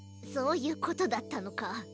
そういうことだったのか。